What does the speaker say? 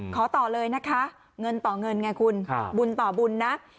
ขอต่อเลยนะคะเงินต่อเงินไงคุณบุญต่อบุญนะ